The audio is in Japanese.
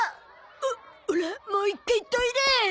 うっオラもう一回トイレ。